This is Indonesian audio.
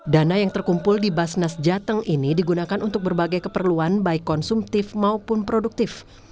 dana yang terkumpul di basnas jateng ini digunakan untuk berbagai keperluan baik konsumtif maupun produktif